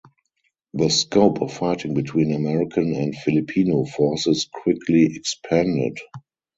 The scope of fighting between American and Filipino forces quickly expanded.